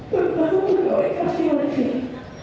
terutama dari mereka sendiri